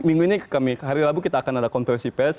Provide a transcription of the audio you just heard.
minggu ini kami hari rabu kita akan ada konversi pes